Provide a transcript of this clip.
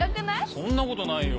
そんなことないよ。